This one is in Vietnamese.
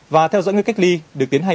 và theo dõi người cách ly được tiến hành